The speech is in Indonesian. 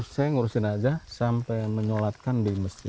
saya mengurusin saja sampai menyolatkan di masjid